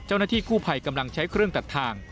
เจ้าหน้าที่กู้ภัยกำลังใช้เครื่องตัดทาง